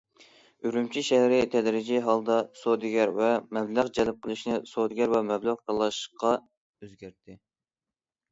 ئۈرۈمچى شەھىرى تەدرىجىي ھالدا سودىگەر ۋە مەبلەغ جەلپ قىلىشنى سودىگەر ۋە مەبلەغ تاللاشقا ئۆزگەرتتى.